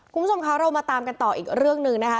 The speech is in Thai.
คุณผู้ชมคะเรามาตามกันต่ออีกเรื่องหนึ่งนะคะ